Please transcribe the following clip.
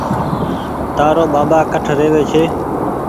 تآرو ٻآٻآ ڪٺ رهوي ڇي